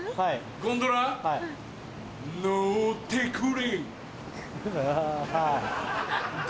ゴンドラ乗ってくれ